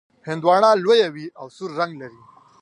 هندواڼه لویه وي او سور رنګ لري.